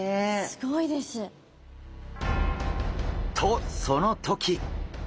すごいです。とその時！